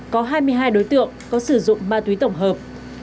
có hai mươi hai đối tượng có sử dụng ma túy tổng hợp